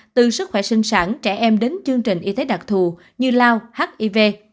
từ sức khỏe sinh sản trẻ em đến chương trình y tế đặc thù như lao hiv